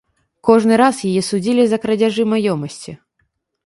Кожны раз яе судзілі за крадзяжы маёмасці.